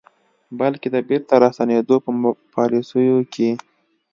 بلکې د بیرته راستنېدنې په پالیسیو کې